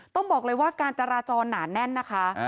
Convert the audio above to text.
ต้องบอกเลยว่าการจราจรหนาแน่นนะคะ